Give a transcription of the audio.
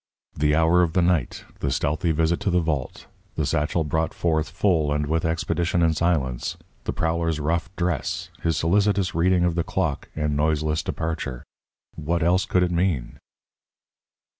The hour of the night, the stealthy visit to the vault, the satchel brought forth full and with expedition and silence, the prowler's rough dress, his solicitous reading of the clock, and noiseless departure what else could it mean?